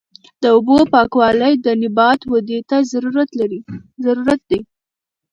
د اوبو پاکوالی د نبات ودې ته ضروري دی.